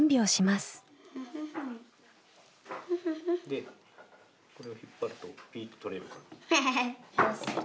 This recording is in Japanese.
でこれを引っ張るとピッと取れるから。